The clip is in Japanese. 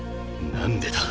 何でだ？